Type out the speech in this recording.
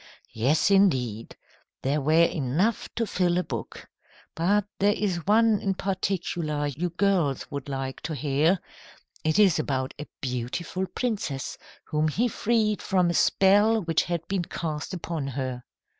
"Yes, indeed. There were enough to fill a book. But there is one in particular you girls would like to hear. It is about a beautiful princess whom he freed from a spell which had been cast upon her."